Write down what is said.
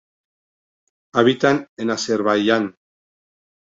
Habita en Azerbaiyán.